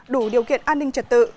đủ điều kiện an ninh trật tự